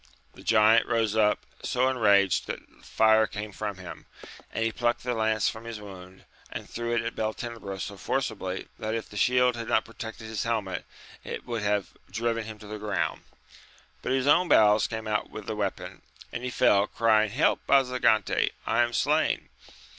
The giant rose up so enraged that fire came from him, and he plucked the lance from his wound, and threw it at Beltenebros so forcibly that if the shield had not protected his helmet, it would have driven him to the ground ; but his own bowels came out with the weapon, and he fell, crying, help, Basa gante! I am slain.